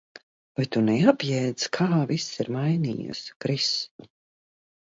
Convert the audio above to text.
Vai tu neapjēdz, kā viss ir mainījies, Kris?